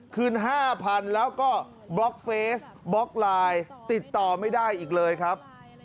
คืน๕๐๐๐แล้วก็บล็อกเฟสบล็อกไลน์ติดต่อไม่ได้อีกเลยครับ